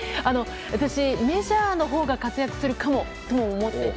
私、メジャーのほうが活躍するかもと思っていて。